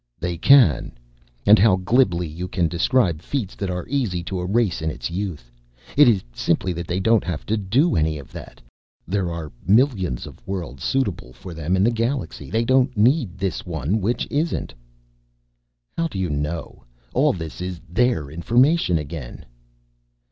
"They can. And how glibly you can describe feats that are easy to a race in its youth. It is simply that they don't have to do any of that. There are millions of worlds suitable for them in the Galaxy. They don't need this one which isn't." "How do you know? All this is their information again."